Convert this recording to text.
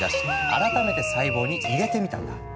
改めて細胞に入れてみたんだ。